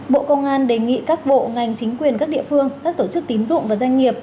bộ công an đề nghị các bộ ngành chính quyền các địa phương các tổ chức tín dụng và doanh nghiệp